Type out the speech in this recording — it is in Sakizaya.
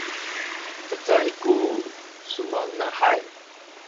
cacay ku sumanahay